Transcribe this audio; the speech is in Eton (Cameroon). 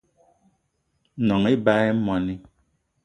Gnong ebag í moní